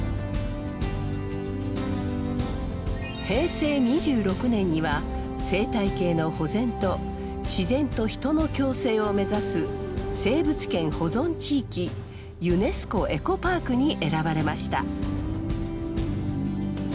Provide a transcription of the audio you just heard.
平成２６年には生態系の保全と自然と人の共生を目指す生物圏保存地域「ユネスコエコパーク」に選ばれました。